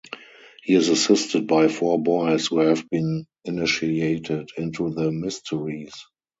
He is assisted by four boys who have been initiated into the mysteries.